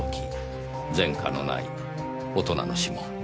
前科のない大人の指紋。